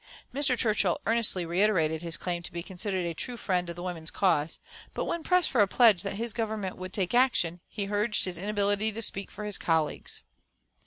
Mr. Churchill earnestly reiterated his claim to be considered a true friend of the women's cause; but when pressed for a pledge that his Government would take action, he urged his inability to speak for his colleagues.